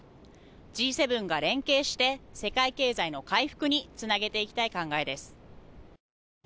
Ｇ７が連携して世界経済の回復につなげていきたい考えです。